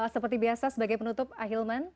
seperti biasa sebagai penutup ahilman